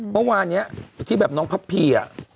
เมื่อวานนี้ที่แบบน้องพับพีอ่ะ